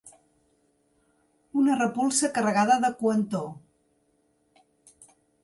Una repulsa carregada de coentor.